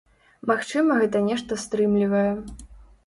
Магчыма гэта нешта стрымлівае.